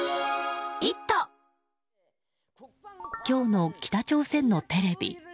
今日の北朝鮮のテレビ。